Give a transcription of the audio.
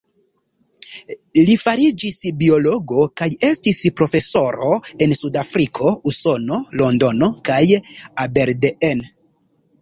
Li fariĝis biologo kaj estis profesoro en Sudafriko, Usono, Londono kaj Aberdeen.